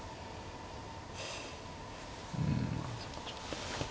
うん。